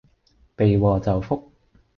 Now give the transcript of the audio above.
避禍就福